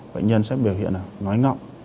bệnh nhân sẽ biểu hiện là nói ngọng